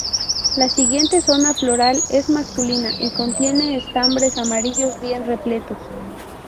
La siguiente zona floral es masculina y contiene estambres amarillos bien repletos.